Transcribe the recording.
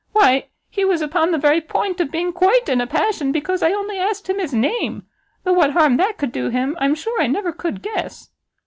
Why he was upon the very point of being quite in a passion because I only asked him his name! though what harm that could do him, I'm sure I never could guess.